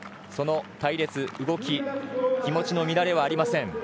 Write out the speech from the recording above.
その隊列、動き気持ちの乱れはありません。